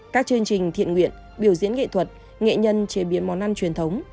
các chương trình thiện nguyện biểu diễn nghệ thuật nghệ nhân chế biến món ăn truyền thống